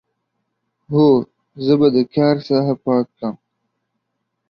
هو، زه به د کار ساحه پاک کړم.